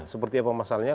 seperti apa masalahnya